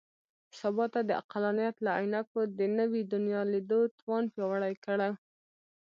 سبا ته د عقلانیت له عینکو د نوي دنیا لیدو توان پیاوړی کړو.